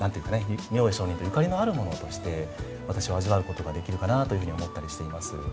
明恵上人とゆかりのあるものとして私は味わうことができるかなというふうに思ったりしています。